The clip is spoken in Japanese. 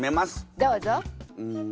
どうぞ！